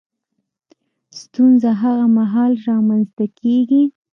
ستونزه هغه مهال رامنځ ته کېږي